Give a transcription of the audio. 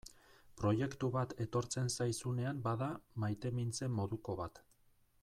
Proiektu bat etortzen zaizunean bada maitemintze moduko bat.